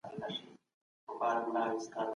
زموږ د څیړني له مخي، مجرمینو ته د ترمیم اړتیا ده.